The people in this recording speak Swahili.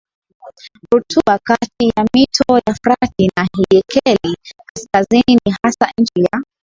rutuba kati ya mito ya Frati na Hidekeli Kaskazini ni hasa nchi ya